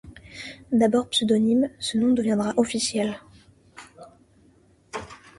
D’abord pseudonyme, ce nom deviendra officiel.